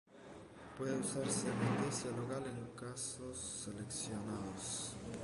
Puede usarse anestesia local en casos seleccionados.